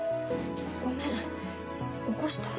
ごめん起こした？